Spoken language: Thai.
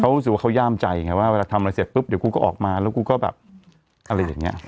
เขารู้สึกว่าเขาย่ามใจไงว่าเวลาทำอะไรเสร็จปุ๊บเดี๋ยวกูก็ออกมาแล้วกูก็แบบอะไรอย่างนี้